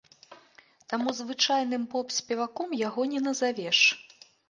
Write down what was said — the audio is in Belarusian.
Таму звычайным поп-спеваком яго не назавеш.